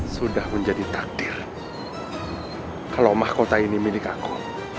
sudah menjadi takdir kalau mahkota ini milik aku